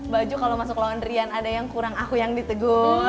baju kalau masuk laundryan ada yang kurang aku yang ditegur